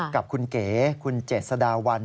กับคุณเก๋คุณเจษฎาวัน